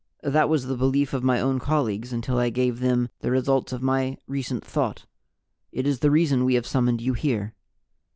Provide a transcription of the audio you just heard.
That was the belief of my own colleagues until I gave them the results of my recent Thought. It is the reason We have summoned you here.